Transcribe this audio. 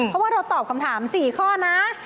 เพราะว่าเราตอบคำถาม๔ข้อนะ